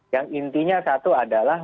yang intinya satu adalah